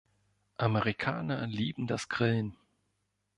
Amerikaner lieben das Grillen.